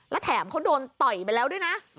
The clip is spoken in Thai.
และแถมเขาโดนต่อยไปแล้วด้วยนะ